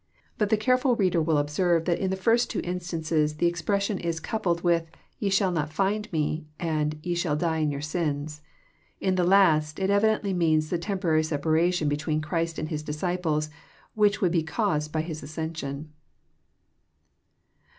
But the careM reader will obserte that in the two first instances the expression is coupled JOHN, CHAP. vra. 93 with, " Te shall not find Me," and " Ye shall die In yonr sins." In the last, it evidently means the temporary separation be tween Christ and His disciples which would be caased by His ascension.